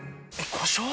故障？